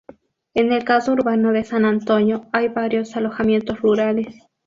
En el casco urbano de San Antonio hay varios alojamientos rurales.